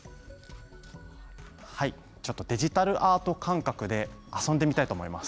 デジタルアート感覚で遊んでみたいと思います。